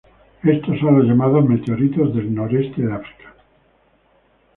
Estos son los llamados "Meteoritos del Noroeste de África".